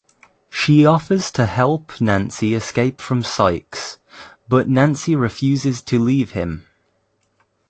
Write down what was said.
She offers to help Nancy escape from Sikes, but Nancy refuses to leave him.